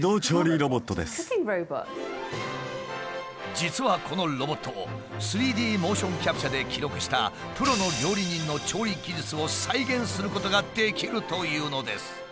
実はこのロボット３Ｄモーションキャプチャーで記録したプロの料理人の調理技術を再現することができるというのです。